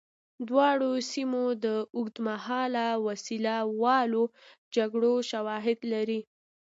دواړو سیمو د اوږدمهاله وسله والو جګړو شواهد لري.